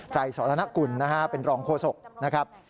ไตรสรณคุณเป็นรองโฆษกนะครับ